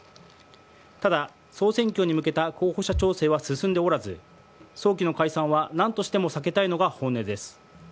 ただ、総選挙に向けた候補者調整は進んでおらず早期の解散は何としても避けたいのが本音です。